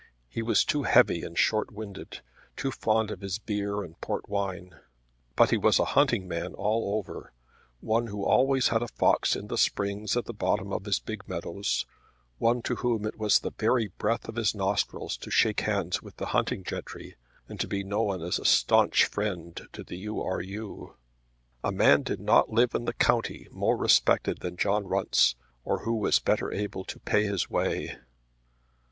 He was too heavy and short winded; too fond of his beer and port wine; but he was a hunting man all over, one who always had a fox in the springs at the bottom of his big meadows, one to whom it was the very breath of his nostrils to shake hands with the hunting gentry and to be known as a staunch friend to the U. R. U. A man did not live in the county more respected than John Runce, or who was better able to pay his way.